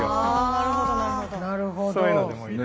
なるほど。